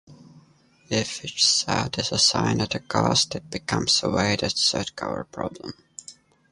If each set is assigned a cost, it becomes a "weighted" set cover problem.